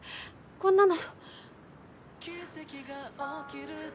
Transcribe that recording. こんなの。